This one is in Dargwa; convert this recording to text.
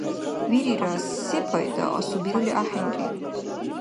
Вирира, сепайда, асубирули ахӀенри.